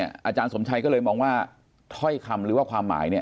อาจารย์สมชัยก็เลยมองว่าถ้อยคำหรือว่าความหมายเนี่ย